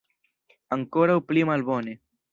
Ankoraŭ pli malbone.